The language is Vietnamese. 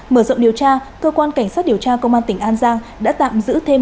mở rộng điều tra cơ quan cảnh sát điều tra công an tỉnh an giang đã tạm giữ thêm